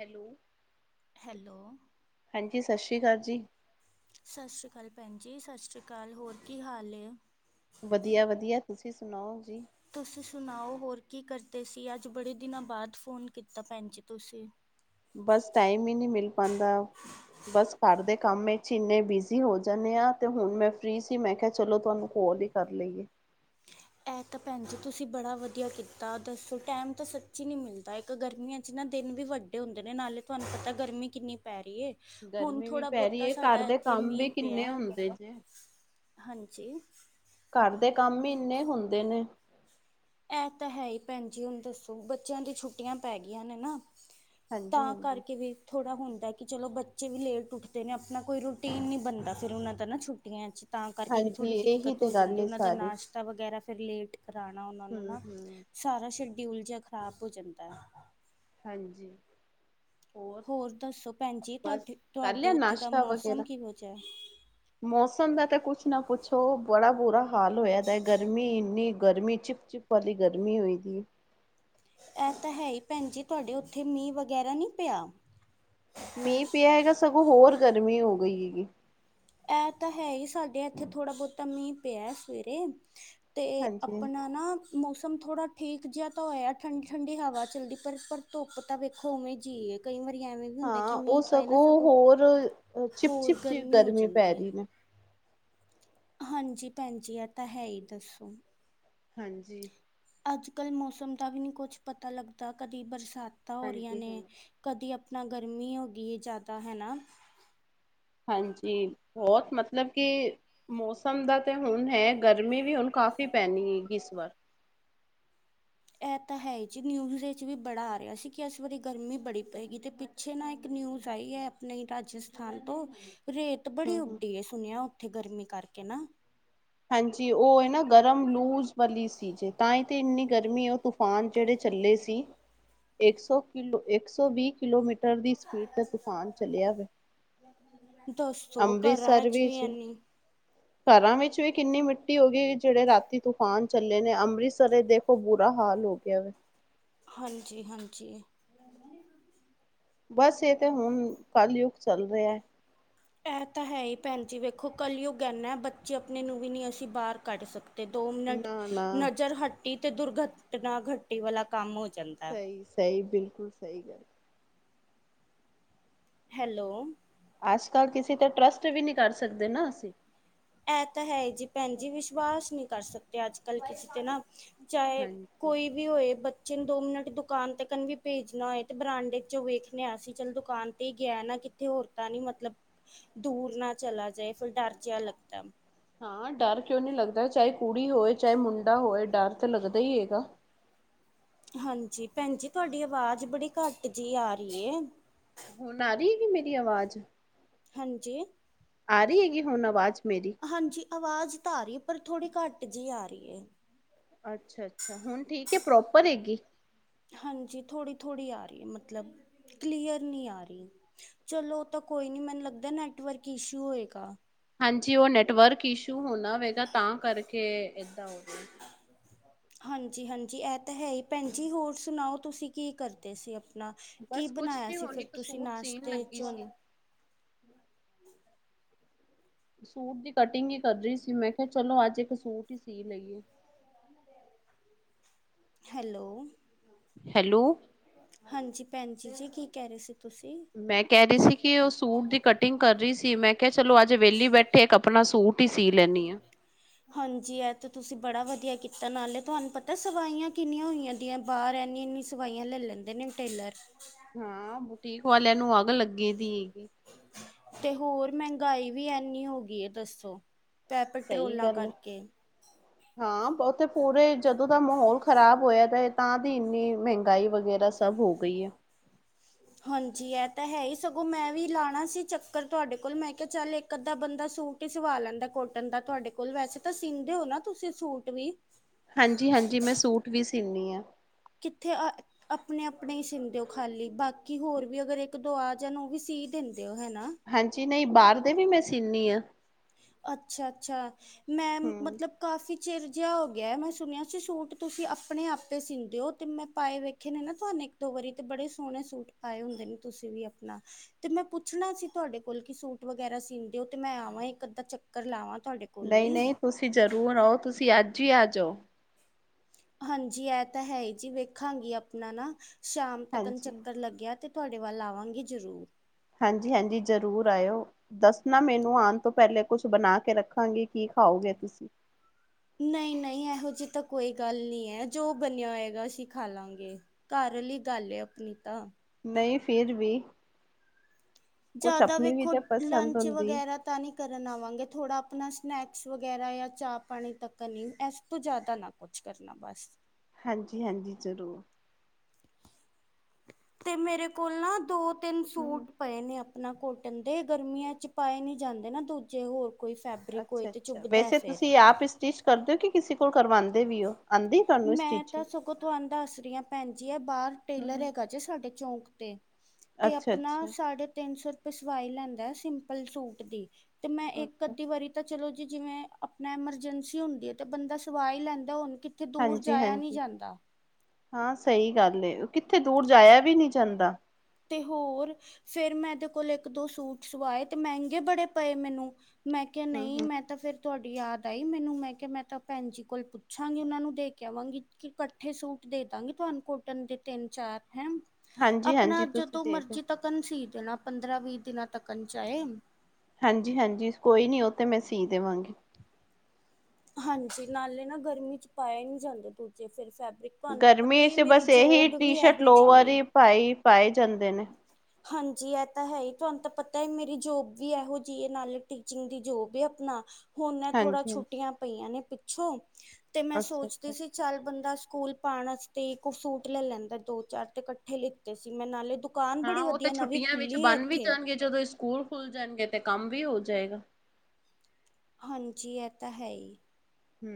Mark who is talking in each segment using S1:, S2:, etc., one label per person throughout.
S1: Hello
S2: hello
S1: ਹਾਂਜੀ ਸਤਿ ਸ਼੍ਰੀ ਅਕਾਲ ਜੀ
S2: ਸਤਿ ਸ਼੍ਰੀ ਅਕਾਲ ਜੀ ਸਤਿ ਸ਼੍ਰੀ ਅਕਾਲ ਹੋਰ ਕੀ ਹਾਲ ਨੇ
S1: ਵਧੀਆ ਵਧੀਆ ਤੁਸੀਂ ਸੁਣਾਓ ਜੀ
S2: ਤੁਸੀ ਸੁਣਾਓ ਹੋਰ ਕੀ ਕਰਦੇ ਸੀ ਅੱਜ ਬੜੇ ਦਿਨਾਂ ਬਾਅਦ ਫੋਨ ਕੀਤਾ ਭੈਣ ਜੀ ਤੁਸੀਂ
S1: ਬਸ ਟਾਈਮ ਹੀ ਨਹੀ ਮਿਲ ਪਾਉਂਦਾ ਬਸ ਘਰ ਦੇ ਕੰਮ ਵਿੱਚ ਇੰਨੇ ਬਿਜ਼ੀ ਹੋ ਜਾਂਦੇ ਆ ਤੇ ਹੁਣ ਮੈਂ ਫ੍ਰਰੀ ਸੀ ਮੈਂ ਕਿਹਾ ਚਲੋ ਤੁਹਾਨੂੰ ਕੋਲ ਹੀ ਕਰ ਲਈਏ
S2: ਇਹ ਤਾਂ ਭੈਣ ਜੀ ਤੁਸੀਂ ਬੜਾ ਵਧੀਆ ਕੀਤਾ ਦੱਸੋ ਟਾਈਮ ਤਾਂ ਸੱਚ ਹੀ ਨਹੀ ਮਿਲਦਾ ਇੱਕ ਗਰਮੀਆਂ ਚ ਨਾ ਦਿਨ ਵੀ ਵੱਡੇ ਹੁੰਦੇ ਨੇ ਨਾਲੇ ਤੁਹਾਨੂੰ ਪਤਾ ਗਰਮੀ ਕਿੰਨੀ ਪੈ ਰਹੀ ਹੈ
S1: ਗਰਮੀ ਵੀ ਪੈ ਰਹੀ ਹੈ ਘਰ ਦੇ ਕੰਮ ਵੀ
S2: ਮੀਂਹ
S1: ਕਿੰਨੇ
S2: ਪਿਆ
S1: ਹੁੰਦੇ ਨੇ
S2: ਹਾਂਜੀ
S1: ਘਰ ਦੇ ਕੰਮ ਹੀ ਇੰਨੇ ਹੁੰਦੇ ਨੇ
S2: ਇਹ ਤਾਂ ਹੈ ਹੀ ਭੈਣ ਜੀ ਹੁਣ ਦੱਸੋ ਬੱਚਿਆਂ ਦੀ ਛੁੱਟੀਆਂ ਪੈ ਗਈਆਂ ਨੇ ਨਾ
S1: ਹਾਂਜੀ
S2: ਤਾਂ
S1: ਹਾਂਜੀ
S2: ਕਰਕੇ ਵੀ ਥੋੜਾ ਹੁਣ ਕਿ ਚਲੋ ਬੱਚੇ ਵੀ ਲੇਟ ਉੱਠਦੇ ਨੇ ਆਪਣਾ ਕੋਈ ਰੂਟੀਨ ਨੀ ਬਣਦਾ ਫੇਿਰ ਉਹਨਾਂ ਤਾਂ ਨਾ ਛੁੱਟੀਆਂ ਚ ਤਾਂ ਕਰਕੇ ਵੀ ਥੋੜ੍ਹੀ
S1: ਹਾਂਜੀ ਇਹੀ
S2: ਦਿੱਕਤ
S1: ਤੇ
S2: ਹੋ
S1: ਗੱਲ
S2: ਜਾਂਦੀ
S1: ਹੈ
S2: ਉਹਨਾਂ ਦਾ
S1: ਸਾਰੀ
S2: ਨਾਸ਼ਤਾ ਵਗੈਰਾ ਫਿਰ ਲੇਟ ਕਰਾਉਣਾ ਉਹ ਨੂੰ
S1: ਹਮ ਹਮ
S2: ਸਾਰਾ ਸ ਕੀ ਉਲਝਾ ਖ਼ਰਾਬ ਹੋ ਜਾਂਦਾ ਹੈ
S1: ਹਾਂਜੀ ਹੋਰ
S2: ਦੱਸੋ ਭੈਣ ਜੀ
S1: ਬਸ
S2: ਤੁਹਾਡੇ
S1: ਕਰ
S2: ਤੁਹਾਡੇ
S1: ਲਿਆ
S2: ਉੱਥੇ ਦਾ
S1: ਨਾਸ਼ਤਾ
S2: ਮੌਸਮ
S1: ਵਗੈਰਾ
S2: ਕਿਹੋ ਜਿਹਾ
S1: ਮੌਸਮ ਦਾ ਤਾਂ ਕੁਛ ਨਾ ਕੁਛ ਓ ਬੜਾ ਬੁਰਾ ਹਾਲ ਹੋਇਆ ਤਾਂ ਗਰਮੀ ਇੰਨੀ ਗਰਮੀ ਚਿਪ ਚਿਪ ਵਾਲੀ ਗਰਮੀ ਹੋਈ ਦੀ
S2: ਹੈ ਇਹ ਤਾਂ ਹੈ ਹੀ ਭੈਣ ਜੀ ਤੁਹਾਡੇ ਉੱਥੇ ਮੀਂਹ ਵਗੈਰਾ ਨਹੀਂੀ ਪਿਆ
S1: ਮੀਂਹ ਪਿਆ ਹੈਗਾ ਸਗੋਂ ਹੋਰ ਗਰਮੀ ਹੋ ਗਈ ਹੈਗੀ
S2: ਇਹ ਤਾਂ ਹੈ ਹੀ ਸਾਡੇ ਇੱਥੇ ਥੋੜ੍ਹਾ ਬਹੁਤਾ ਮੀਂਹ ਪਿਆ ਸਵੇਰੇ ਤੇ
S1: ਹਾਂਜੀ
S2: ਆਪਣਾ ਨਾ ਮੌਸਮ ਮ ਥੋੜਾ ਠੀਕ ਜਿਹਾ ਤਾਂ ਹੋਇਆ ਠੰਡੀ ਠੰਢਡੀ ਹਵਾ ਚੱਲਦੀ ਪਰ ਧੁੱਪ ਤਾਂ ਵੇਖੋ ਉਵੇਂ ਜਿਹੀ ਕਈ ਵਾਰੀ ਐਵੇਂ ਵੀ ਹੁੰਦਾ
S1: ਹਾਂ
S2: ਕਿ
S1: ਉਹ
S2: ਮੀਂਹ ਪਏ ਨਾ
S1: ਸਗੋਂ ਹੋਰ ਚਿਪ
S2: ਹੋਰ
S1: ਚਿੱਪ ਜੀ
S2: ਹੋ
S1: ਗਰਮੀ ਪੈ
S2: ਜਾਂਦੀ ਹੈ
S1: ਰਇ ਨੇ
S2: ਹਾਂਜੀ ਭੈਣਜੀ ਇਹ ਤਾਂ ਹੈ ਹੀ ਦੱਸੋ।
S1: ਹਾਂਜੀ।
S2: ਅੱਜ ਮੌਸਮ ਦਾ ਵੀ ਨਹੀਂ ਕੁਝ ਪਤਾ ਲੱਗਦਾ ਕਦੀ ਬਰਸਾਤ। ਤਾ ਹੋ ਰਹੀਆਂ
S1: ਹਾਂਜੀ
S2: ਨੇ
S1: ਹਾਂਜੀ
S2: ਕਦੀ ਆਪਣਾ ਗਰਮੀ ਹੋ ਗਈ ਹੈ ਜ਼ਿਆਦਾ ਹੈ ਨਾ।
S1: ਹਾਂਜੀ ਬਹੁਤ ਮਤਲਬ ਕਿ ਮੌਸਮ ਦਾ ਤੇ ਹੁਣ ਹੈ ਗਰਮੀ ਵੀ ਹੁਣ ਕਾਫ਼ੀ ਪੈਣੀ ਹੈਗੀ ਇਸ ਵਾਰ
S2: ਇਹ ਤਾਂ ਹੈ ਜੀ ਨਿਊਜ਼ ਵਿਚ ਵੀ ਬੜਾ ਆ ਰਿਹਾ ਸੀ ਕਿ ਇਸ ਵਾਰੀ ਗਰਮੀ ਬੜੀ ਪਏਗੀ ਤੇ ਪਿੱਛੇ ਨਾ ਇੱਕ ਨਿਊਜ਼ ਆਈ ਹੈ ਆਪਣੇ ਰਾਜਸਥਾਨ ਤੋਂ ਰੇਤ ਬੜੀ
S1: ਹਮ ਹਮ
S2: ਉੱਡੀ ਏ ਸੁਣਿਆ। ਉੱਥੇ ਗਰਮੀ ਕਰਕੇ ਨਾ
S1: ਹਾਂਜੀ ਉਹ ਨਾ ਗਰਮ ਲੂਜ ਵਾਲੀ ਸੀ ਜੇ ਤਾਂ ਹੀ ਤੇ ਇੰਨੀ ਗਰਮੀ ਉਹ ਤੂਫਾਨ ਜਿਹੜੇ ਚੱਲੇ ਸੀ ਇੱਕ ਸੌ ਕਿਲੋ ਇੱਕ ਸੌ ਵੀਹ ਕਿਲੋਮੀਟਰ। ਦੀ ਸਪੀਡ ਤੇ ਤੂਫਾਨ ਚਲਿਆ ਵ
S2: ਦੱਸੋ ਘਰਾਂ
S1: ਅੰਮ੍ਰਿਤਸਰ
S2: ਚ ਵੀ
S1: ਵਿੱਚ।
S2: ਐਨੀ
S1: ਘਰਾਂ ਵਿੱਚ। ਕਿੰਨੀ ਮਿੱਟੀ ਹੋ ਗਈ ਜਿਹੜੇ ਰਾਤੀ ਤੂਫਾਨ ਚੱਲੇ ਨੇ ਅੰਮ੍ਰਿਤਸਰ ਦੇਖੋ ਬੁਰਾ ਹਾਲ ਹੋ ਗਿਆ ਵ
S2: ਹਾਂਜੀ ਹਾਂਜੀ।
S1: ਬਸ ਇਹ ਤੇ ਹੁਣ ਕੱਲਯੁਗ ਚੱਲ ਰਿਹਾ ਹੈ।
S2: ਇਹ ਤਾਂ ਹੈ ਹੀ ਭੈਣ ਜੀ ਵੇਖੋ ਕੱਲਓਗ ਐਨਾ ਹੈ ਬੱਚੇ ਆਪਣੇ ਨੂੰ ਵੀ ਨਹੀਂ ਅਸੀਂ ਬਾਹਰ ਕੱਢ ਸਕਦੇ। ਦੋ ਮਿੰਟ
S1: ਨਾ ਨਾ
S2: ਨਜ਼ਰ ਹਟ ਟੀ ਤੇ ਦੁਰਘਟਨਾ ਘੱਟੀ ਵਾਲਾ ਕੰਮ ਹੋ। ਜਾਂਦਾ
S1: ਸਹੀ ਸਹੀ ਬਿਲਕੁਲ। ਬਿਲਕੁਲ ਸਹੀ ਗੱਲ।
S2: ਹੈਲੋ।
S1: ਅੱਜ ਕੱਲ ਕਿਸੇ ਤੇ ਟਰਸਟ ਵੀ ਨਹੀਂ ਕਰ ਸਕਦੇ ਨਾ ਅਸੀਂ।
S2: ਇਹ ਤਾਂ ਹੈ ਜੀ ਭੈਣ ਜੀ ਵਿਸ਼ਵਾਸ ਨਹੀਂ ਕਰ ਸਕਦੇ ਅੱਜ ਕੱਲ੍ਹ ਕਿਸੇ ਤੇ ਨਾ। ਚਾਹੇ
S1: ਹਾਂਜੀ
S2: ਕੋਈ ਵੀ ਹੋਏ ਨ ਦੋ ਮਿੰਟ ਦੁਕਾਨ ਤੇ ਕਨ ਵੀ ਭੇਜਣਾ ਹੋਏ ਤੇ ਬਰਾਂਡੇ ਚੋਂ ਵੇਖਣਿਆ ਸੀ ਚੱਲ ਦੁਕਾਨ ਤੇ ਹੀ ਗਿਆ ਨਾ ਕਿੱਥੇ ਹੋਰ ਤਾਂ ਨੀ ਮਤਲਬ ਦੂਰ ਨਾ ਚਲਾ ਜਾਏ ਫਿਰ ਡਰ ਜਿਆ ਲੱਗ।
S1: ਹਾਂ ਡਰ ਕਿਉਂ ਨਹੀਂ ਲੱਗਦਾ ਚਾਹੇ ਕੁੜੀ ਹੋਏ ਚਾਹੇ ਮੁੰਡਾ ਹੋਏ ਡਰ ਤਾਂ ਲੱਗਦਾ ਹੀ ਹੈਗਾ।
S2: ਹਾਂਜੀ ਭੈਣ ਜੀ ਤੁਹਾਡੀ ਆਵਾਜ਼ ਬੜੀ ਘੱਟ ਜਿ ਆ ਰਹੀ ਹੈ।
S1: ਹੁਣ ਆ ਰਹੀ ਗ ਮੇਰੀ ਆਵਾਜ਼।
S2: ਹਾਂਜੀ।
S1: ਆ ਰਹੀ ਹੈਗੀ ਹੁਣ ਆਵਾਜ਼ ਮੇਰੀ
S2: ਹਾਂਜੀ ਆਵਾਜ਼ ਤਾਂ ਆ ਰਹੀ ਹੈ ਪਰ। ਥੋੜ੍ਹੀ ਘੱਟ ਜਿਹੀ ਆ ਰਹੀ ਹੈ।
S1: ਅੱਛਾ ਅੱਛਾ ਹੁਣ ਠੀਕ ਹੈ ਪ੍ਰੋਪਰ ਹੈਗੀ।
S2: ਹਾਂਜੀ ਥੋੜੀ ਥੋੜੀ ਆ ਰਹੀ ਮਤਲਬ ਕਲੀਅਰ ਨਹੀਂ ਆ ਰਹੀ ਚਲੋ ਉਹ ਤਾਂ ਕੋਈ ਨੀ ਮੈਨੂੰ ਲੱਗਦਾ ਨੈਟਵਰਕ ਇਸ਼ੂ ਹੋਏਗਾ।
S1: ਹਾਂਜੀ ਉਹ ਨੈੱਟਵਰਕ ਇਸ਼ੂ ਹੋਦਾ ਹੋਵੇਗਾ ਤਾਂ ਕਰੇ। ਕੇ ਏਦਾਂ ਹੋ ਰਿਹਾ।
S2: ਹਾਂਜੀ ਹਾਂਜੀ ਇਹ ਤਾਂ ਹੈ ਹੀ ਭੈਣ ਜਜੀ ਹੋਰ ਸੁਣਾਓ ਤੁਸੀਂ ਕੀ ਕਰਦੇ ਸੀ। ਆਪਣਾ ਕੀ
S1: ਬਸ ਕੁਛ
S2: ਬਣਾਇਆ
S1: ਨੀ
S2: ਸੀ
S1: ਹੁਣ
S2: ਫਿਰ
S1: ਇੱਕ
S2: ਤੁਸੀਂ
S1: ਸੂਟ ਸੀਨ
S2: ਨਾਸ਼ਤੇ
S1: ਲੱਗੀ
S2: ਚੁਨ
S1: ਸੀ। ਸੂਟ ਦੀ ਕਟਿੰਗ ਹੀ ਕਰ ਰਹੀ ਸੀ ਮੈਂ ਕਿਹਾ ਚਲੋ ਅੱਜ ਇੱਕ ਸੂਟ ਹੀ ਸੀ ਲਈਏ।
S2: ਹੈਲੋ,
S1: ਹੈਲੋ
S2: ਹਾਂਜੀ, ਭੈਣ ਜੀ ਜੀ ਕੀ, ਕਹਿ ਰਹੀ ਸੀ। ਤੁਸੀਂ?
S1: ਮੈਂ ਕਹਿ ਰਹੀ ਸੀ, ਕਿ ਉਹ ਸੂਟ ਦੀ ਕਟਿੰਗ ਕਰ ਰਹੀ ਸੀ, ਮੈਂ ਕਿਹਾ ਚਲੋ ਅੱਜ ਵੇਲੀ ਬੈਠੇ ਇੱਕ ਆਪਣਾ ਸੂਟ ਹੀ ਸੀ ਲੈਂਨੀ ਹਾਂ।
S2: ਹਾਂਜੀ ਇਹ ਤਾਂ ਤੁਸੀਂ ਬੜਾ ਵਧੀਆ ਕੀਤਾ ਨਾਲੇ ਤੁਹਾਨੂੰ ਪਤਾ ਸਵਾਈਆਂ ਕਿੰਨੀਆਂ ਹੋਈਆਂ ਦੀਆਂ ਬਾਹਰ ਇਨੀ ਇਨੀ ਸਵਾਈਆਂ ਲੈ ਲੈਂਦੇ ਨੇ ਟੇਲਰ
S1: ਹਾਂ ਬੁਟੀਕ ਵਾਲਿਆਂ ਨੂੰ ਅੱਗ ਲੱਗੇ ਦੀ ਹੈਗੀ।
S2: ਤੇ ਹੋਰ ਮਹਿੰਗਾਈ ਵੀ ਐਨੀ ਹੋ ਗਈ ਦੱਸੋ। ਪੈ
S1: ਸਹੀ
S2: ਪੈਟਰੋਲਾਂ
S1: ਗੱਲ
S2: ਕਰਕੇ
S1: ਹਾਂ ਉੱਥੇ ਪੂਰੇ ਜਦੋਂ ਦਾ ਮਾਹੌਲ ਖ਼ਰਾਬ ਹੋਇਆ, ਤੇ ਤਾਂ ਦੀ ਇੰਨੀ ਮਹਿੰਗਾਈ ਵਗੈਰਾ ਸਭ ਹੋ ਗਈ ਹੈ।
S2: ਹਾਂਜੀ, ਇਹ ਤਾਂ ਹੈ ਹੀ ਸਗੋਂ ਮੈਂ ਵੀ ਲਾਣਾ ਸੀ ਚੱਕਰ ਤੁਹਾਡੇ ਕੋਲ ਮੈਂ ਕਿਹਾ ਚੱਲ ਇੱਕ ਅੱਧਾ ਬੰਦਾ ਸੂਟ ਹੀ ਸਵਾ ਲੈਂਦਾ ਕੋਟਨ ਦਾ ਤੁਹਾਡੇ ਕੋਲ ਵੈਸੇ ਤਾਂ ਸੀਂਦੇ ਹੋ ਨਾ ਤੁਸੀਂ ਸੂਟ ਵੀ।
S1: ਹਾਂਜੀ-ਹਾਂਜੀ ਮੈਂ ਸੂਟ ਵੀ ਸੀਨੀ ਆ
S2: ਕਿੱਥੇ ਅ ਆਪਣੇ-ਆਪਣੇ ਹੀ ਸੀਂਦੇ ਹੋ ਖਾਲੀ ਬਾਕੀ ਹੋਰ ਵੀ ਅਗਰ ਇੱਕ ਦੋ ਆ ਜਾਨ ਉਹ ਵੀ ਸੀ ਦਿੰਦੇ। ਹੋ ਹਨਾ
S1: ਹਾਂਜੀ, ਨਹੀਂ ਬਾਹਰ ਦੇ ਵੀ ਮੈਂ ਸੀਨੀ ਆ।
S2: ਅੱਛਾ-ਅੱਛਾ ਮੈਂ
S1: ਹੂੰ
S2: ਮਤਲਬ ਕਾਫੀ ਚਿਰ ਜਿਹਾ ਹੋ ਗਿਆ ਮੈਂ ਸੁਣਿਆ ਸੀ ਸੂਟ ਤੁਸੀਂ ਆਪਣੇ ਆਪੇ ਸੀੀਦੇ ਹੋ ਤੇ ਮੈਂ ਪਾਏ ਵੇਖੇ ਨੇ ਨਾ ਤੁਹਾਨੂੰ ਇੱਕ ਦੋ ਵਾਰੀ ਤੇ ਬੜੇ ਸੋਹਣੇ ਸੂਟ ਪਾਏ ਹੁੰਦੇ ਨੇ ਤੁਸੀਂ ਵੀ ਆਪਣਾ ਤੇ ਮੈਂ ਪੁੱਛਣਾ ਸੀ ਤੁਹਾਡੇ ਕੋਲ ਕਿ ਸੂਟ ਵਗੈਰਾ ਸੀਂਦੇ ਹੋ ਤੇ ਮੈਂ ਆਵਾਂ ਅੱਧਾਂ ਚੱਕਰ ਲਾਵਾਂਗੇ।
S1: ਨਹੀਂ-ਨਹੀਂ ਤੁਸੀਂ ਜ਼ਰੂਰ ਆਓ ਤੁਸੀਂ ਅੱਜ- ਅੱਜ ਹੀ ਆ ਜਾਓ।
S2: ਹਾਂਜੀ, ਇਹ ਤਾਂ ਹੈ ਹੀ ਜੀ ਵੇਖਾਂਗੀ ਆਪਣਾ ਨਾ ਸ਼ਾਮ ਤਕਣ
S1: ਹਾਂਜੀ
S2: ਚੱਕਰ ਲੱਗਿਆ ਤੇ, ਤੁਹਾਡੇ ਵੱਲ ਆਵਾਂਗੇ ਜ਼ਰੂਰ,
S1: ਹਾਂਜੀ-ਹਾਂਜੀ ਜ਼ਰੂਰ ਆਇਓ, ਦੱਸਣਾ ਮੈਨੂੰ ਆਉਣ ਤੋਂ ਪਹਿਲੇ ਕੁਛ ਬਣਾ ਕੇ ਰੱਖਾਂਗੀ ਕੀ ਖਾਓਗੇ ਤੁਸੀਂ
S2: ਨਹੀਂ-ਨਹੀਂ ਇਹੋ ਜਿਹੀ ਤਾਂ ਕੋਈ ਗੱਲ ਨੀ ਹੈ, ਜੋ ਬਣਿਆ ਹੋਏਗਾ ਅਸੀਂ ਖਾ ਲਾਂਗੇ ਘਰ ਲਈ ਗੱਲ ਆਪਣੀ ਤਾਂ।
S1: ਨਹੀਂ ਫਿਰ ਵੀ, ਕੁਛ
S2: ਜ਼ਿਆਦਾ
S1: ਆਪਣੀ ਵੀ
S2: ਵੇਖੋ
S1: ਤੇ ਪਸੰਦ
S2: ਲੰਚ
S1: ਹੁੰਦੀ।
S2: ਵਗੈਰਾ ਤਾਂ ਨਹੀਂ ਕਰਨ ਆਵਾਂਗੇ, ਥੋੜਾ ਆਪਣਾ ਸਨੈਕਸ ਵਗੈਰਾ ਜਾਂ ਚਾਹ ਪਾਣੀ ਤੱਕ ਨਹੀਂ ਇਸ ਤੋਂ ਜ਼ਿਆਦਾ ਨਾ ਕੁਛ ਕਰਨਾ ਬਸ
S1: ਹਾਂਜੀ-ਹਾਂਜੀ ਜ਼ਰੂਰ,
S2: ਤੇ ਮੇਰੇ ਕੋਲ ਨਾ ਦੋ ਤਿੰਨ
S1: ਹੂੰ
S2: ਸੂਟ ਪਏ ਨੇ ਆਪ ਆਪਣਾ ਕੋਟਨ ਦੇ ਗਰਮੀਆਂ ਚ ਪਾਏ ਨੀ ਜਾਂਦੇ ਨਾ ਦੂਜੇ ਹੋਰ, ਕੋਈ ਫੈਬਰਿਕ ਹੋਏ ਤੇ
S1: ਅੱਛਾ-ਅੱਛਾ
S2: ਚੁੱਭਦਾ
S1: ਵੈਸੇ
S2: ਫਿਰ
S1: ਤੁਸੀਂ ਆਪ ਸਟਿਚ ਕਰਦੇ ਹੋ ਕਿ ਕਿਸੇ ਕੋਲ ਕਰਵਾਂਦੇ ਵੀ ਹੋ ਆਂਦੀ ਤੁਹਾਨੂੰ
S2: ਮੈਂ ਤਾਂ
S1: ਸਟਿਚਿੰਗ।
S2: ਸਗੋਂ ਤੁਹਾਨੂੰ ਦੱਸ ਰਹੀ ਹੈ ਭੈਣ ਜੀ ਆ ਬਾਹਰ ਟੇਲਰ
S1: ਹੂੰ-ਹੂੰ
S2: ਹੈਗਾ ਜੇ ਸਾਡੇ ਚੌਂਕ ਤੇ, ਤੇ ਆਪਣਾ
S1: ਅੱਛਾ-ਅੱਛਾ
S2: ਸਾਢੇ ਤਿੰਨ ਸੌ ਸਿਵਾਈ ਲੈਂਦਾ ਸਿੰਪਲ ਸੂਟ ਦੀ। ਤੇ, ਮੈਂ ਇੱਕ ਅੱਧੀ ਵਾਰੀ ਤਾਂ ਚਲੋ ਜੀ, ਜਿਵੇਂ ਆਪਣਾ ਐਮਰਜੈਂਸੀ ਹੁੰਦੀ ਐ, ਤੇ ਬੰਦਾ ਸਵਾ ਹੀ ਲੈਂ ਦਾ ਹੁਣ ਕਿੱਥੇ ਦੂਰ ਜਾਇਆ ਨਹੀਂ
S1: ਹਾਂਜੀ-ਹਾਂਜੀ,
S2: ਜਾਂਦਾ
S1: ਹਾਂ ਸਹੀ ਗੱਲ ਐ। ਕਿੱਥੇ ਦੂਰ ਜਾਇਆ ਵੀ ਨਹੀ ਜਾਂਦਾ।
S2: ਤੇ ਹੋਰ ਫੇਰ, ਮੈਂ ਇਹਦੇ ਕੋਲ ਇੱਕ ਦੋ ਸੂਟ ਸਵਾਏ ਤੇ, ਮਹਿੰਗੇ ਬੜੇ ਪਏ ਮੈਨੂੰ ਮੈਂ ਕਿਹਾ
S1: ਹੂੰ
S2: ਨਹੀਂ,
S1: ਹੂੰ
S2: ਮੈਂ ਤਾਂ ਫਿਰ ਤੁਹਾਡੀ ਯਾਦ ਆਈ, ਮੈਨੂੰ ਮੈਂ ਕਿਹਾ ਮੈਂ ਤਾਂ ਭੈਣ ਜੀ ਕੋਲ ਪੁੱਛਾਂਗੀ, ਉਹਨਾਂ ਨੂੰ ਦੇ ਕੇ ਆਵਾਂਗੀ ਕਿ ਇਕੱਠੇ ਸੂਟ ਦੇ ਦੇ ਦਾਗੀ, ਤੁਹਾਨੂੰ ਕੋਟਨ ਦੇ ਤਿੰਨ ਚਾਰ ਹੈਂ
S1: ਹਾਂਜੀ, ਹਾ
S2: ਆਪਣਾ ਜਦੋਂ ਮਰਜ਼ੀ ਤੱਕਨ ਸੀ ਦੇਣਾ। ਪੰਦਰਾਂ ਵੀਹ ਦਿਨਾਂ ਤੱਕਨ ਚਾਏ।
S1: ਹਾਂਜੀ-ਹਾਂਜੀ, ਕੋਈ ਨੀ ਉਹ ਤੇ ਮੈਂ ਸੀ ਦੇਵਾਂਗੀ।
S2: ਹਾਂਜੀ, ਨਾਲੇ ਨਾ ਗਰਮੀ ਚ ਪਾਇਆਂ ਨਹੀ ਜਾਂਦਾ ਦੂਜੇ ਫਿਰ ਫੈਬ
S1: ਗਰਮੀ ਵਿਚ ਤੇ, ਬਸ ਇਹੀ ਟੀ ਸ਼ਰਟ
S2: ਇਹੋ ਜਿਹੀ
S1: ਲੋਵਰ
S2: ਏ।
S1: ਹੀ ਪਾਈ ਪਾਏ ਜਾਂਦੇ ਨੇ।
S2: ਹਾਂਜੀ, ਇਹ ਤਾਂ ਹੈ ਹੀ ਤੁਹਾਨੂੰ ਤਾਂ ਪਤਾ ਹੈ, ਮੇਰੀ ਜੋਬ ਵੀ ਇਹੋ ਜਿਹੀ ਹੈ ਨਾਲੇ, ਟੀਚਿੰਗ ਦੀ ਜੋਬ ਐ ਆਪਣਾ ਹੁਣ ਇਹ ਥੋੜਾ
S1: ਹਾਂਜੀ ਹਾਂਜੀ,
S2: ਛੁੱਟੀਆਂ ਪਈਆਂ ਨੇ ਪੀਛੋ ਤੇ ਮੈਂ
S1: ਅੱਛਾ
S2: ਸੋਚਦੀ
S1: ਅੱਛਾ
S2: ਸੀ, ਚੱਲ ਬੰਦਾ ਸਕੂਲ ਪਾਣ ਵਾਸਤੇ ਕਈ, ਸੂਟ ਲੈ ਲੈਂਦਾ ਦੋ ਚਾਰ ਤੇ ਇਕੱਠੇ ਲਿੱਤੇ ਸੀ ਮੈਂ ਨਾਲੇ ਦੁ
S1: ਹਾਂ ਉਹ ਤੇ ਛੁੱਟੀਆਂ ਵਿੱਚ ਬਣ ਵੀ ਜਾਣਗੇ, ਜਦੋਂ ਸਕੂਲ ਖੁੱਲ ਜਾਣਗੇ ਤੇ ਕੰਮ ਵੀ ਹੋ ਜਾਏਗਾ।
S2: ਹਾਂਜੀ ਇਹ ਤਾਂ ਹੈ ਈ।
S1: ਹੂੰ,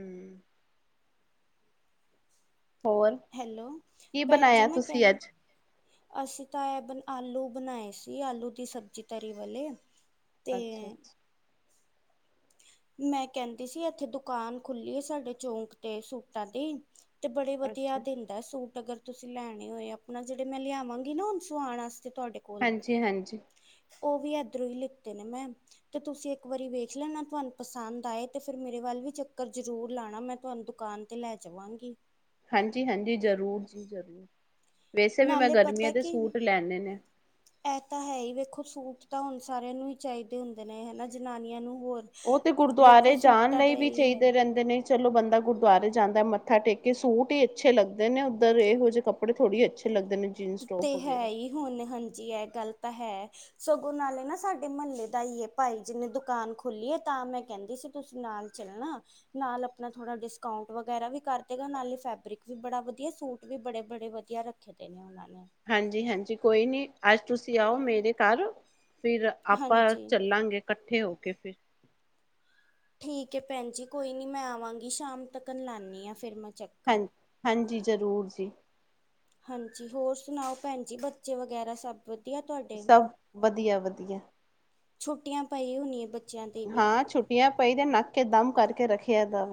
S1: ਹੋਰ,
S2: ਹੈਲੋ
S1: ਕੀ
S2: ਭੈਣ ਜੀ
S1: ਬਣਾਇਆਂ
S2: ਮੈਂ
S1: ਤੁਸੀਂ
S2: ਕਹਿੰ
S1: ਅੱਜ?
S2: ਅਸੀਂ ਤਾਂ ਇਹ ਵੀ ਆਲੂ ਬਣਾਏ ਸੀ, ਆਲੂ ਦੀ ਸਬਜ਼ੀ ਤਰੀ ਵਾਲੇ ਤੇ
S1: ਅੱਛਾ-ਅੱਛਾ,
S2: ਮੈਂ ਕਹਿੰਦੀ ਸੀ, ਇੱਥੇ ਦੁਕਾਨ ਖੁੱਲੀ ਐ, ਸਾਡੇ ਚੌਂਕ ਤੇ ਸੂਟਾਂ ਦੀ ਤੇ ਧੀਤੇ ਆ
S1: ਅੱਛਾ
S2: ਦਿੰਦਾ ਸੂਟ ਅਗਰ ਤੁਸੀਂ ਲੈਣੇ ਹੋਏ, ਆਪਣਾ ਜਿਹੜੇ ਮੈਂ ਲਿਆਵਾਂਗੀ ਨਾ ਹੁਣ ਸਵਾਉਣ ਤੇ ਤੁਹਾਡੇ ਕੋਲ।
S1: ਹਾਂਜੀ ਹਾਂਜੀ
S2: ਔ ਵੀ ਏਧਰੋਂ ਹੀ ਲਿੱਤੇ ਨੇ ਮੈਂ, ਤੇ ਤੁਸੀਂ ਇੱਕ ਵਾਰੀ ਵੇਖ ਲੈਣਾ ਤੁਹਾਨੂੰ ਪਸੰਦ ਆਏ ਤੇ ਫਿਰ ਮੇਰੇ ਵੱਲ ਵੀ ਚੱਕਰ ਜ਼ਰੂਰ ਲਾਉਣਾ, ਮੈਂ ਤੁਹਾਨੂੰ ਦੁਕਾਨ ਤੇ ਲੈ ਜਾਵਾਂਗੀ।
S1: ਹਾਂਜੀ ਹਾਂਜੀ ਜ਼ਰੂਰ ਜੀ ਜ਼ਰੂਰ। ਵੈਸੇ ਵੀ ਮੈਂ
S2: ਨਾਲੇ
S1: ਗਰਮੀਆਂ
S2: ਪਤਾ
S1: ਦੇ
S2: ਕਿ
S1: ਸੂਟ ਲੈਂਨੇ ਨੇ।
S2: ਇਹ ਤਾਂ ਹੈ ਹੀ ਵੇਖੋ ਸੂਟ ਤਾਂ ਹੁਣ ਸਾਰਿਆਂ ਨੂੰ ਹੀ ਚਾਹੀਦੇ ਹੁੰਦੇ ਨੇ, ਹੈਨਾ ਜਨਾਨੀਆਂ ਨੂੰ ਹੋਰ
S1: ਔ ਤੇ
S2: ਵੇਖੋ
S1: ਗੁਰਦੁਆਰੇ ਜਾਣ
S2: ਸੂਟਾਂ
S1: ਲਈ
S2: ਦਾ
S1: ਵੀ
S2: ਹੀ ਹੈ
S1: ਚਾਹੀਦੇ ਰਹਿੰਦੇ ਨੇ, ਚਲੋ, ਬੰਦਾ ਗੁਰਦੁਆਰੇ ਜਾਂਦਾ ਮੱਥਾ ਟੇਕ ਕੇ ਸੂਟ ਹੀ ਅੱਛੇ ਲੱਗਦੇ ਨੇ ਉੱਧਰ ਇਹੋ ਜਹੇ ਕੱਪੜੇ ਥੋੜ੍ਹੀ ਅੱਛੇ ਲੱਗਦੇ। ਨੇ ਜੀਨਸ ਟੋਪ
S2: ਤੇ ਹੈ
S1: ਵਗੈਰਾ
S2: ਹੀ ਹੁਣ ਹਾਂਜੀ ਇਹ ਗੱਲ, ਤਾਂ ਹੈ ਸਗੋਂ ਨਾਲੇ ਨਾ ਸਾਡੇ ਮਹੱਲੇ ਦਾ ਹੀ ਏ ਭਾਈ ਜਿਨੇ ਦੁਕਾਨ ਖੋਲੀ ਹੈ ਤਾਂ ਮੈਂ ਕਹਿੰਦੀ ਸੀ ਤੁਸੀਂ ਨਾਲ ਚੱਲਣਾ ਨਾਲ ਆਪਣਾ ਥੋੜਾ ਡਿਸਕਾਊਂਟ ਵਗੈਰਾ ਵੀ ਕਰ ਦੇਗਾ, ਨਾਲੇ ਫੈਬਰਿਕ ਵੀ ਬੜਾ ਵਧੀਆ ਸੂਟ ਵੀ ਬੜੇ ਬੜੇ ਵਧੀਆ ਰੱਖੇ ਦੇ ਨੇ ਉਹਨਾਂ ਨੇ।
S1: ਹਾਂਜੀ-ਹਾਂਜੀ ਕੋਈ ਨੀ ਅੱਜ ਤੁਸੀਂ ਆਓ ਮੇਰੇ ਘਰ, ਫਿਰ ਆਪਾਂ
S2: ਹਾਂਜੀ
S1: ਚੱਲਾਂਗੇ ਇਕੱਠੇ ਹੋ ਕੇ। ਫਿਰ
S2: ਠੀਕ ਏ ਭੈਣ ਜੀ ਕੋਈ ਨੀ ਮੈਂ ਆਵਾਂਗੀ ਸ਼ਾਮ ਤੱਕਨ, ਆਨੀ ਹਾਂ ਫਿਰ ਮੈਂ। ਚੱਕਰ
S1: ਹਾਂਜੀ-ਹਾਂਜੀ, ਜ਼ਰੂਰ ਜੀ,
S2: ਹਾਂਜੀ ਹੋਰ ਸੁਣਾਓ, ਭੈਣ ਜੀ ਬੱਚੇ ਵਗੈਰਾ ਸਭ, ਵਧੀਆ ਤੁਹਾਡੇ?
S1: ਸਭ ਵਧੀਆ-ਵਧੀਆ।
S2: ਛੁੱਟੀਆਂ ਪਾਈ ਹੋਣੀ ਹੈਂ, ਬਚੇ
S1: ਹਾਂ ਛੁੱਟੀਆਂ ਪਈ ਦੇ, ਨੱਕ ਕੇ ਦਮ ਕਰਕੇ ਰੱਖਿਆ ਐਦਾ।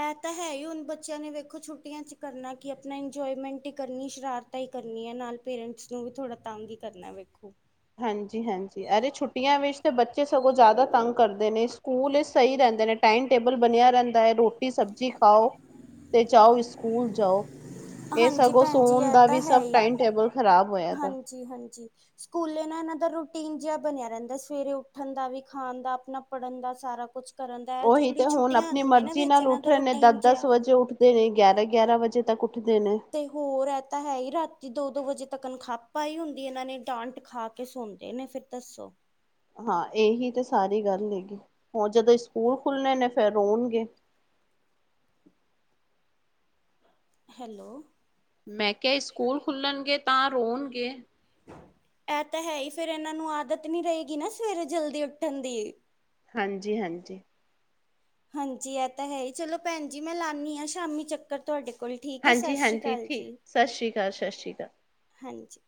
S2: ਇਹ ਤਾਂ ਹੈ ਹੀ ਹੁਣ ਬੱਚਿਆਂ ਨੇ ਵੇਖੋ ਛੁੱਟੀਆਂ ਚ ਕਰਨਾ ਕਿ ਆਪਣਾ ਇੰਜੋਏਮੈਂਟ ਹੀ ਕਰਨੀ ਸ਼ਰਾਰਤਾ ਹੀ ਕਰਨੀ ਹੈ, ਨਾਲ ਪੇਰੈਂਟਸ ਨੂੰ ਵੀ ਥੋੜਾ ਤੰਗ ਹੀ ਕਰਨਾ ਵੇਖੋ।
S1: ਹਾਂਜੀ-ਹਾਂਜੀ, ਅਰੇ ਛੁੱਟੀਆਂ ਵਿਚ ਬੱਚੇ ਸਗੋਂ ਜ਼ਿਆਦਾ ਤੰਗ ਕਰਦੇ ਨੇ ਸਕੂਲ ਸਹੀ ਰਹਿੰਦੇ ਨੇ ਟਾਈਮ ਟੇਬਲ ਬਣਿਆ ਰਹਿੰਦਾ ਹੈ, ਰੋਟੀ ਸਬਜ਼ੀ ਖਾਓ ਤੇ ਜਾਓ ਸਕੂਲ ਜਾਓ। ਇਹ
S2: ਹਾਂਜੀ
S1: ਸਗੋਂ
S2: ਭੈਣ ਜੀ
S1: ਸੋਣ
S2: ਇਹ
S1: ਦਾ ਵੀ
S2: ਤਾਂ ਹੈ
S1: ਸਭ
S2: ਹੀ
S1: ਟਾਈਮ ਟੇਬਲ ਖ਼ਰਾਬ ਹੋਇਆ ਤਾ।
S2: ਹਾਂਜੀ-ਹਾਂਜੀ। ਸਕੂਲੇ ਨਾਲ ਇਹਨਾਂ ਦਾ ਰੂਟੀਨ ਜਿਹਾ ਬਣਿਆ ਰਹਿੰਦਾ, ਸਵੇਰੇ ਉੱਠਣ ਦਾ ਵੀ ਖਾਣ ਦਾ ਆਪਣਾ ਪੜ੍ਹਨ ਦਾ ਸਾਰਾ ਕੁਛ ਕਰਨ ਦਾ ਇਹ
S1: ਔ ਹੀ
S2: ਜਿਹੜੀ
S1: ਤੇ ਹੁਣ
S2: ਛੁੱਟੀਆਂ ਆ
S1: ਆਪਣੀ
S2: ਜਾਂਦੀਆਂ ਨਾ
S1: ਮਰਜੀ
S2: ਵਿੱਚ
S1: ਨਾਲ
S2: ਇਹਨਾਂ
S1: ਉੱਠ
S2: ਦਾ
S1: ਰਹੇ ਨੇ
S2: ਰੂਟੀਨ
S1: ਦਸ-ਦਸ
S2: ਜਿਹਾ
S1: ਵਜੇ ਉੱਠਦੇ ਨੇ ਗਿਆਰਾਂ-ਗਿਆਰਾਂ ਵਜੇ। ਤੱ [unintelligible]
S2: ਤੇ ਹੋਰ ਇਹ ਤਾਂ ਹੈ ਹੀ ਰਾਤੀ ਦੋ ਦੋ ਵਜੇ ਤੱਕ ਖੱਪ ਹੀ ਹੁੰਦੀ ਇਹਨਾਂ ਨੇ, ਡਾਂਟ ਖਾ ਕੇ ਸੌਦੇ ਨੇ ਫਿਰ ਦੱਸੋ।
S1: ਹਾਂ ਇਹੀ ਤੇ ਸਾਰੀ ਗੱਲ ਹੈਗੀ, ਹੁਣ ਜਦੋਂ ਸਕੂਲ ਖੁੱਲਣੇ ਨੇ ਫੇਰ ਰੌਣਗੇ
S2: ਹੈਲੋ,
S1: ਮੈਂ ਕਿਹਾ ਸਕੂਲ ਖੁੱਲਣਗੇ। ਤਾਂ ਰੋਣਗੇ।
S2: ਇਹ ਤਾਂ ਹੈ ਹੀ ਫੇਰ ਇਹਨਾਂ ਨੂੰ ਆਦਤ ਨੀ ਰਹੇਗੀ ਨਾ ਸਵੇਰੇ ਜਲਦੀ ਉੱਠਣ ਦੀ
S1: ਹਾਂਜੀ ਹਾਂਜੀ,
S2: ਹਾਂਜੀ ਇਹ ਤਾਂ ਹੈ ਹੀ ਚਲੋ ਭੈਣ ਜੀ ਮੈਂ ਲਾਂਦੀ ਆਂ ਸ਼ਾਮੀ ਚੱਕਰ ਤੁਹਾਡੇ ਕੋਲ ਠੀਕ ਹੈ ਸਤਿ
S1: ਹਾਂਜੀ
S2: ਸ਼੍ਰੀ
S1: -ਹਾਂਜੀ,
S2: ਅਕਾਲ
S1: ਠੀਕ
S2: ਜੀ
S1: ਸਸ ਰੀ ਕਾਲ, ਸਸ ਰੀ ਕਾਲ।
S2: ਹਾਂਜੀ,